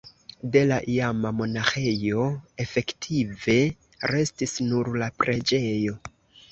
De la iama monaĥejo efektive restis nur la preĝejo.